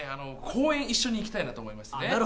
公園一緒に行きたいなと思いました。